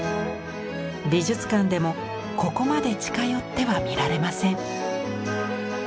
美術館でもここまで近寄っては見られません。